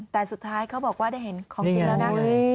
แต่สุดท้ายเขาบอกว่าได้เห็นของจริงแล้วนะ